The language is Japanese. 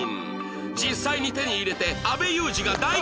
実際に手に入れて阿部祐二が大検証！